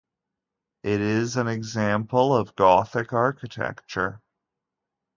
It is an example of Gothic architecture.